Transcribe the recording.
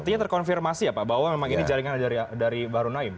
artinya terkonfirmasi ya pak bahwa memang ini jaringan dari bahru naim